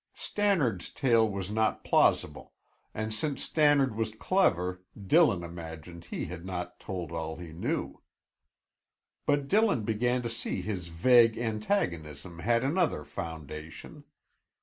Stannard's tale was not plausible, and since Stannard was clever Dillon imagined he had not told all he knew. But Dillon began to see his vague antagonism had another foundation.